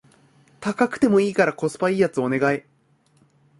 高くてもいいからコスパ良いやつお願い